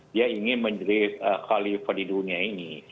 dia ingin menjerit khalifa di dunia ini